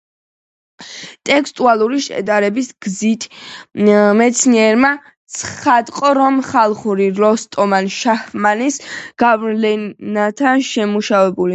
ტექსტუალური შედარების გზით მეცნიერმა ცხადყო, რომ ხალხური „როსტომიანი“ „შაჰნამეს“ გავლენითაა შემუშავებული.